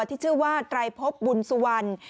ที่ชื่อว่าไตรพบบุญสุวรรณ